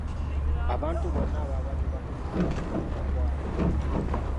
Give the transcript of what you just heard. Abantu bonna ababadde bakozesa ebibira bakwate.